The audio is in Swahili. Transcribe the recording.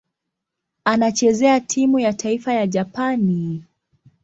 Anachezea timu ya taifa ya Japani.